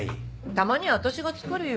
たまには私が作るよ。